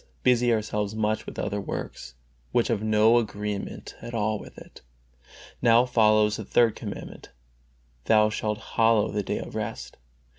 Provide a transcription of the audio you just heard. busy ourselves much with other works, which have no agreement at all with it. Now follows the Third Commandment: "Thou shalt hallow the day of rest."